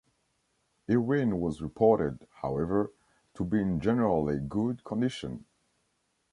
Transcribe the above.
Irwin was reported, however, to be in generally good condition.